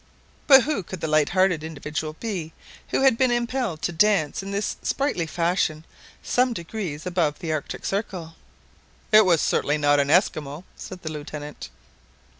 But who could the light hearted individual be who had been impelled to dance in this sprightly fashion some degrees above the Arctic Circle? "It was certainly not an Esquimaux," said the Lieutenant.